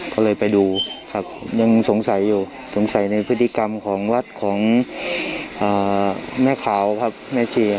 ก็เลยไปดูครับยังสงสัยอยู่สงสัยในพฤติกรรมของวัดของแม่ขาวครับแม่เชียร์